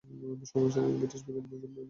সমসাময়িক ব্রিটিশ বিজ্ঞানী Michael Faraday.